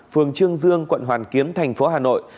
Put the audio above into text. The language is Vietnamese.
phường trương dương quận hoàn kiếm thành phố hà nội